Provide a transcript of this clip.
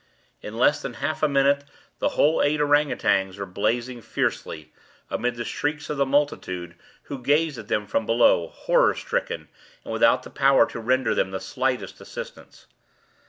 In less than half a minute the whole eight ourang outangs were blazing fiercely, amid the shrieks of the multitude who gazed at them from below, horror stricken, and without the power to render them the slightest assistance.